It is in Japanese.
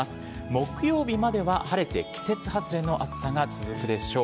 木曜日までは晴れて季節外れの暑さが続くでしょう。